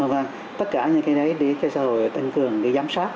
và tất cả những cái đấy để cho xã hội tăng cường cái giám sát